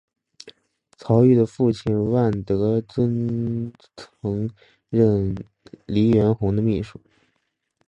曹禺的父亲万德尊曾任黎元洪的秘书。